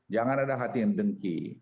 jangan ada hati yang dengki